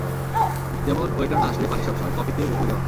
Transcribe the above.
যেমন ওয়েটার না আসলে পানি সবসময় কফিতে বদলে যাওয়া।